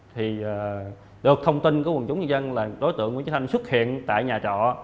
thì được thông tin của quần chúng dân dân là đối tượng nguyễn trí thanh xuất hiện tại nhà trọ